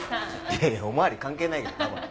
いやいやお巡り関係ないけどなこれ。